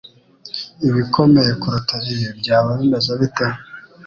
Ibikomeye kuruta ibi byaba bimeze bite